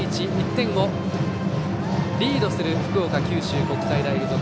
１点をリードする福岡・九州国際大付属。